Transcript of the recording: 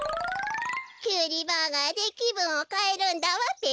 きゅうりバーガーできぶんをかえるんだわべ。